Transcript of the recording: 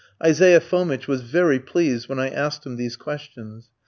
Isaiah Fomitch was very pleased when I asked him these questions.